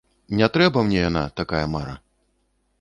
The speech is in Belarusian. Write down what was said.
Не трэба мне яна, такая мара.